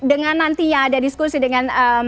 dengan nantinya ada diskusi dengan